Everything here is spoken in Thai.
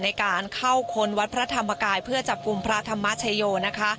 ในการเข้าค้นวัดพระธรรมกายเพื่อจับกลุ่มพระธรรมชโยนะคะ